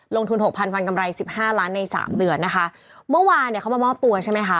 ลงทุน๖๐๐๐ฟันกำไร๑๕ล้านใน๓เดือนนะคะเมื่อวานเนี่ยเขามามอบตัวใช่ไหมคะ